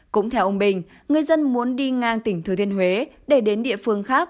cũng theo ông bình người dân muốn đi ngang tỉnh thừa thiên huế để đến địa phương khác